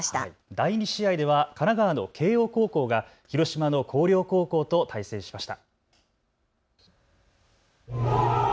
第２試合では神奈川の慶応高校が広島の広陵高校と対戦しました。